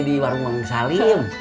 di warung mangsalim